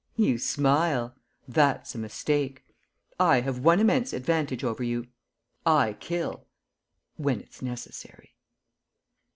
You smile! That's a mistake. I have one immense advantage over you! I kill ... when it's necessary.